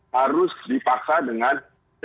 harus dipaksa dengan